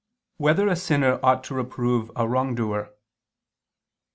5] Whether a Sinner Ought to Reprove a Wrongdoer?